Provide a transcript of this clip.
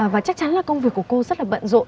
và chắc chắn là công việc của cô rất là bận rộn